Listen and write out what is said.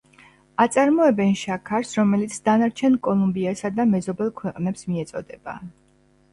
აწარმოებენ შაქარს, რომელიც დანარჩენ კოლუმბიასა და მეზობელ ქვეყნებს მიეწოდება.